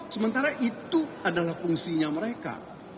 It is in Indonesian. sementara itu adalah fungsinya mereka